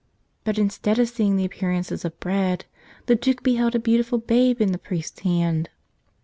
But instead of seeing the appearances of bread, the Duke beheld a beautiful Babe in the priest's hand.